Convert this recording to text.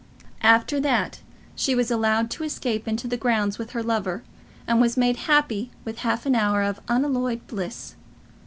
After that she was allowed to escape into the grounds with her lover, and was made happy with half an hour of unalloyed bliss.